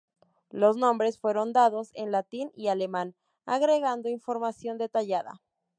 Los nombres fueron dados en latín y alemán, agregando información detallada.